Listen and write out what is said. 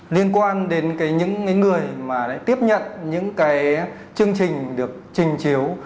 liên quan đến những người mà lại tiếp nhận những cái chương trình được trình chiếu